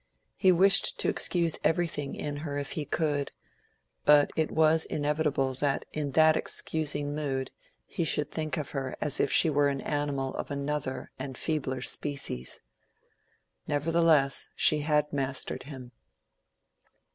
He wished to excuse everything in her if he could—but it was inevitable that in that excusing mood he should think of her as if she were an animal of another and feebler species. Nevertheless she had mastered him.